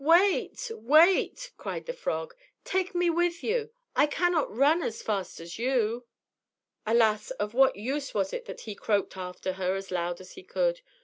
"Wait! wait!" cried the frog; "take me with you. I cannot run as fast as you." Alas! of what use was it that he croaked after her as loud as he could.